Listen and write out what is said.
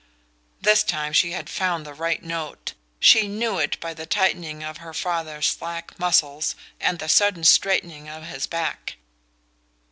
This time she had found the right note: she knew it by the tightening of her father's slack muscles and the sudden straightening of his back.